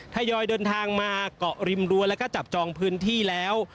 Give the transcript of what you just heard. ทยอยเดินทางมาเกาะริมรั้วแล้วก็จับจองพื้นที่แล้ว